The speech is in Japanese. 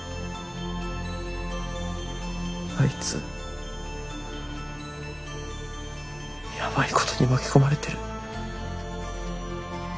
あいつやばいことに巻き込まれてる。